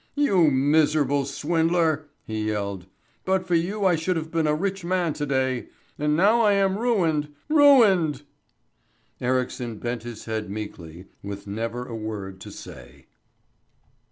"You miserable swindler!" he yelled. "But for you I should have been a rich man to day. And now I am ruined ruined!" Ericsson bent his head meekly with never a word to say.